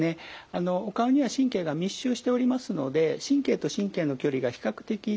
あのお顔には神経が密集しておりますので神経と神経の距離が比較的近いものもあります。